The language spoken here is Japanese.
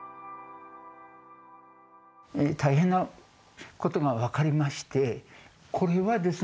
大変なことが分かりまして。